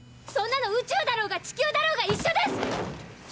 そんなの宇宙だろうが地球だろうが一緒です！